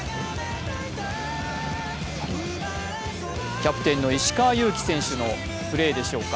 キャプテンの石川祐希選手のプレーでしょうか。